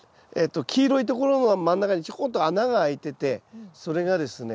黄色いところが真ん中にちょこんと穴があいててそれがですね